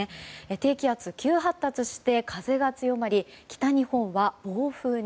低気圧が急発達して風が強まり北日本は暴風に。